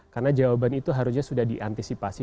karena jawaban itu harusnya sudah diantisipasi